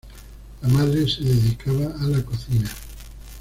La madre se dedicaba a la cocina.